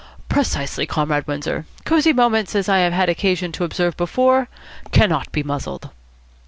"Precisely, Comrade Windsor. Cosy Moments, as I have had occasion to observe before, cannot be muzzled."